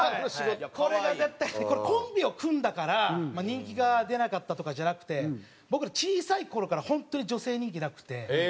これコンビを組んだから人気が出なかったとかじゃなくて僕ら小さい頃から本当に女性人気なくて。